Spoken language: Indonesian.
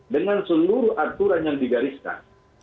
dengan seluruh aturan yang digariskan